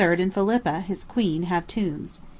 and Philippa, his queen, have tombs.